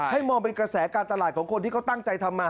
มองเป็นกระแสการตลาดของคนที่เขาตั้งใจทำมา